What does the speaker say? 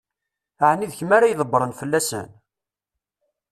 Ɛni d kemm ara ydebbṛen fell-asen?